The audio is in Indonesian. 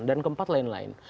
dan keempat lain lain